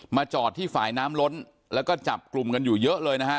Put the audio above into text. จอดที่ฝ่ายน้ำล้นแล้วก็จับกลุ่มกันอยู่เยอะเลยนะฮะ